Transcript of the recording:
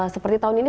seperti tahun ini